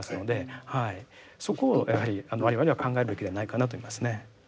そこをやはり我々は考えるべきじゃないかなと思いますね。